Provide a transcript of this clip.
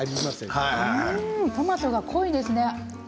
トマトが濃いですね。